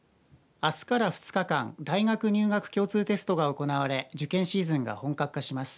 あすから２日間大学入学共通テストが行われ受験シーズンが本格化します。